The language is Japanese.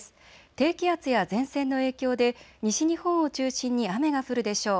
低気圧や前線の影響で西日本を中心に雨が降るでしょう。